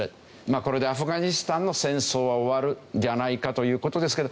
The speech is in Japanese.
これでアフガニスタンの戦争は終わるんじゃないかという事ですけど。